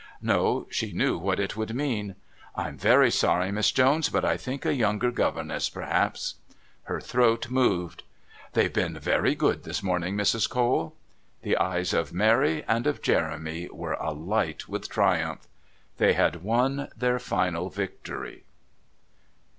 No; she knew what it would mean "I'm very sorry, Miss Jones, but I think a younger governess, perhaps " Her throat moved. "They've been very good this morning, Mrs. Cole." The eyes of Mary and of Jeremy were alight with triumph. They had won their final victory.